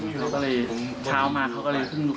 เราก็เลยเช้ามาเขาก็เลยขึ้น